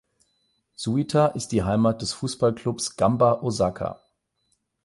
Suita ist die Heimat des Fußballclubs Gamba Osaka.